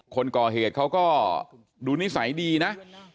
คนก่อเหตุเขาก็ดูนิสัยดีนะ